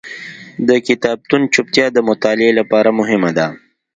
د کتابتون چوپتیا د مطالعې لپاره مهمه ده.